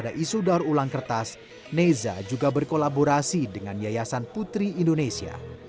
di sudarulang kertas neza juga berkolaborasi dengan yayasan putri indonesia